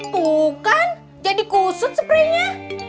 tuh kan jadi kusut spray nya